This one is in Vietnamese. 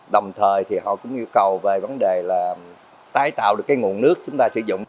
đồng thời thì họ cũng yêu cầu về vấn đề là tái tạo được cái nguồn nước chúng ta sử dụng